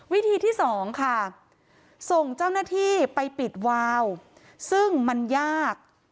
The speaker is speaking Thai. วิธีที่๒ค่ะส่งเจ้าหน้าที่ไปปิดวาวซึ่งมันยาก